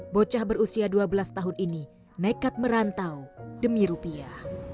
bocah berusia dua belas tahun ini nekat merantau demi rupiah